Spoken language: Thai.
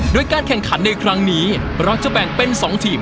โดยการแข่งขันในครั้งนี้เราจะแบ่งเป็น๒ทีม